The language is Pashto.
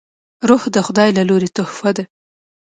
روح د خداي له لورې تحفه ده